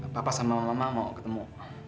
bapak sama mama mau ketemu